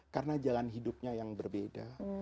karena jalan hidupnya yang berbeda